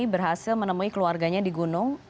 berhasil menemui keluarganya di gunung